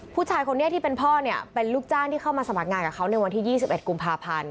ผู้ชายคนนี้ที่เป็นพ่อเนี่ยเป็นลูกจ้างที่เข้ามาสมัครงานกับเขาในวันที่๒๑กุมภาพันธ์